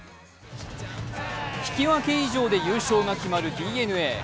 引き分け以上で優勝が決まるＤｅＮＡ。